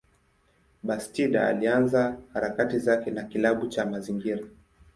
Bastida alianza harakati zake na kilabu cha mazingira.